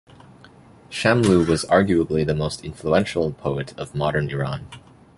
Shamlou was arguably the most influential poet of modern Iran.